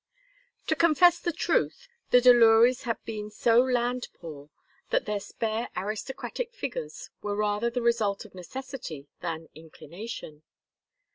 To confess the truth, the Delurys had been so land poor that their spare aristocratic figures were rather the result of necessity than inclination.